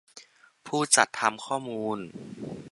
ผู้จัดทำข้อมูล